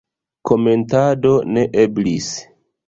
Komentado ne eblis.